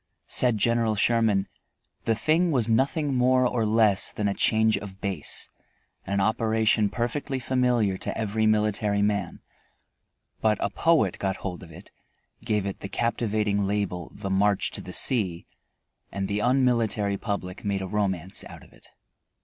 Said General Sherman: "The thing was nothing more or less than a change of base; an operation perfectly familiar to every military man, but a poet got hold of it, gave it the captivating label, 'The March to the Sea,' and the unmilitary public made a romance out of it."